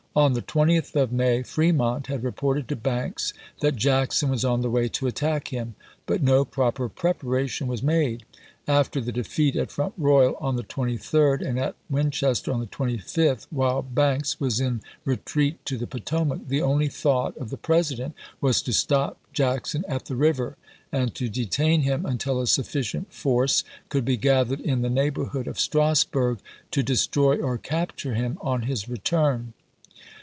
On the 20th of May Fremont had reported to Banks that Jackson was on the way to attack him, but no proper preparation was made. After the defeat at Front Royal on the 23d, and at Winchester on the 25th, while Banks was in retreat to the Potomac, the only thought of the President was to stop Jackson at the river, and to detain him until a sufficient force could be gathered in the neighbor hood of Strasburg to destroy or capture him on his return.